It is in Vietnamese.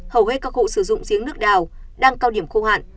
hầu hết các hộ sử dụng giếng nước đào đang cao điểm khô hạn